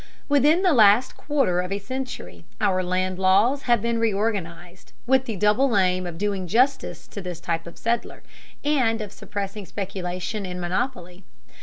Within the last quarter of a century our land laws have been reorganized, with the double aim of doing justice to this type of settler, and of suppressing speculation and monopoly.